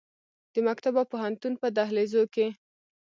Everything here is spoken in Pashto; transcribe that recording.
د مکتب او پوهنتون په دهلیزو کې